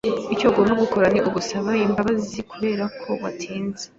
Icyo ugomba gukora ni ugusaba imbabazi kuberako watinze.